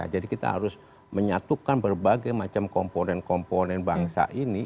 jadi kita harus menyatukan berbagai macam komponen komponen bangsa ini